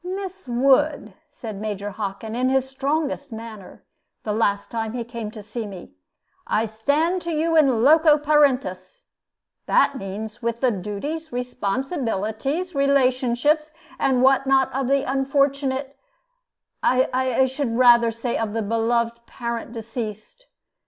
"Miss Wood," said Major Hockin, in his strongest manner, the last time he came to see me, "I stand to you in loco parentis. That means, with the duties, relationships, responsibilities, and what not, of the unfortunate I should say rather of the beloved parent deceased.